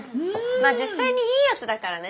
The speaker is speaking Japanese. まあ実際にいいやつだからね